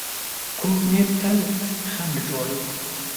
کوږ نیت تل خنډ جوړوي